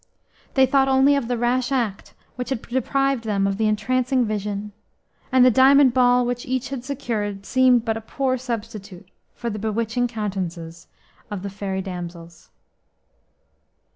They thought only of the rash act which had deprived them of the entrancing vision, and the diamond ball which each had secured seemed but a poor substitute for the bewitching countenances of the fairy damsels.